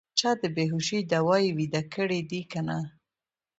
چې د بې هوشۍ دوا یې ویده کړي دي که نه.